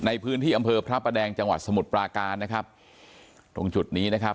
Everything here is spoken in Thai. ในพื้นที่อำเภอพระประแดงจังหวัดสมุทรปราการนะครับตรงจุดนี้นะครับ